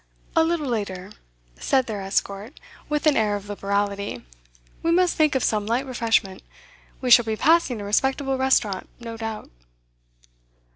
'A little later,' said their escort, with an air of liberality, 'we must think of some light refreshment. We shall be passing a respectable restaurant, no doubt.